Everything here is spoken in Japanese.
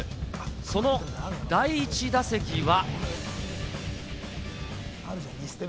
その第１打席は。